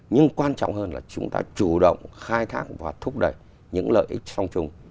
nhưng quan trọng hơn là chúng ta chủ động khai thác và thúc đẩy những lợi ích song chung